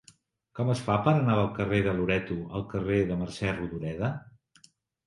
Com es fa per anar del carrer de Loreto al carrer de Mercè Rodoreda?